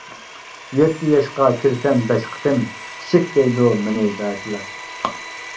يەتتە ياشقا كىرسەم بەش قېتىم، كىچىك دەيدۇ مېنى بەزىلەر.